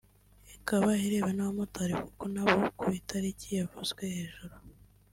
ikaba ireba n’abamotari kuko nabo ku itariki yavuzwe hejuru